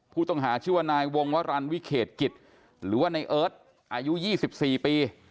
ผู้ต้องหาชื่อว่านายวงวรรณวิเขตกิจหรือว่าในเอิร์ทอายุ๒๔ปี